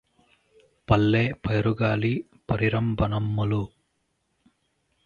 పల్లె పైరుగాలి పరిరంభణమ్ములు